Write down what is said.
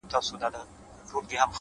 پرمختګ د ننني نظم حاصل دی.!